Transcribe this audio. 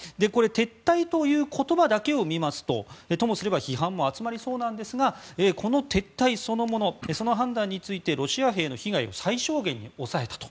撤退という言葉だけを見ますとともすれば批判も集まりそうなんですがこの撤退そのものその判断についてロシア兵の被害を最小限に抑えたと。